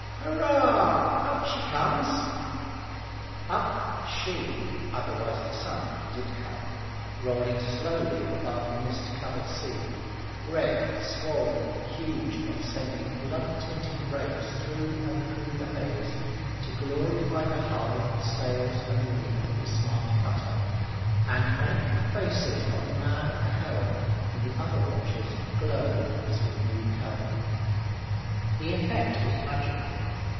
Hurrah! Up she comes!" Up "she" otherwise the sun did come, rolling slowly above the mist covered sea, red, swollen, huge, and sending blood tinted rays through and through the haze to glorify the hull, sails, and rigging of the smart cutter, and make the faces of the man at the helm and the other watchers glow as with new health. The effect was magical.